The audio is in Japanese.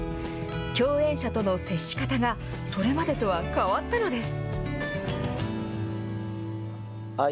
共演者との接し方がそれまでとは変わったのです。